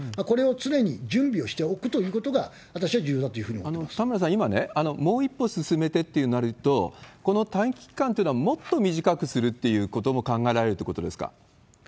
これを常に準備をしておくということが、私は重要だというふうに田村さん、今ね、もう一歩進めてとなると、この待機期間っていうのは、もっと短くするっていうことも考えられるということですか？